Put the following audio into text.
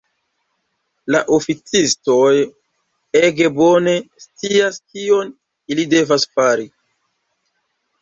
La oficistoj ege bone scias, kion ili devas fari.